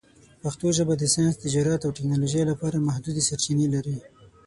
پښتو ژبه د ساینس، تجارت، او ټکنالوژۍ لپاره محدودې سرچینې لري.